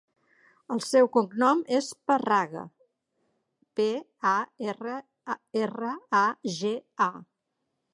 El seu cognom és Parraga: pe, a, erra, erra, a, ge, a.